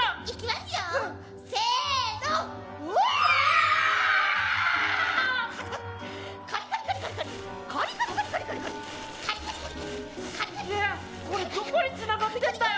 すげえこれどこにつながってんだよ。